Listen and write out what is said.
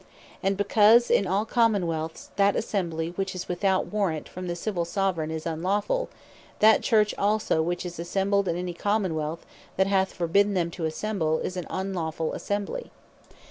And because in all Common wealths, that Assembly, which is without warrant from the Civil Soveraign, is unlawful; that Church also, which is assembled in any Common wealth, that hath forbidden them to assemble, is an unlawfull Assembly.